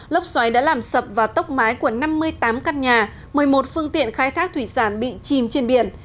lốc xoáy đã làm sập và tốc mái của năm mươi tám căn nhà một mươi một phương tiện khai thác thủy sản bị chìm trên biển